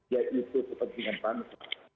yaitu kepentingan bangsa